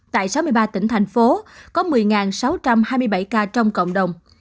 tại sáu mươi ba tỉnh thành phố có một mươi sáu trăm hai mươi bảy ca trong cộng đồng